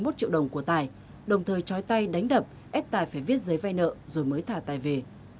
hai mươi một triệu đồng của tài đồng thời chói tay đánh đập ép tài phải viết giấy vay nợ rồi mới thả tài về